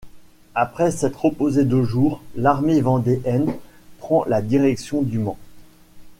Après s'être reposée deux jours, l'armée vendéenne prend la direction du Mans.